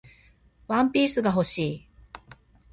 ワンピースが欲しい